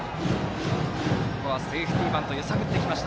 ここはセーフティーバントで揺さぶってきました。